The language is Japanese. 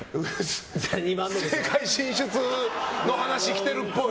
政界進出の話来てるっぽい。